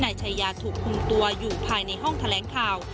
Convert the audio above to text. นายชายาถูกคุมตัวอยู่ภายในห้องแถลงข่าว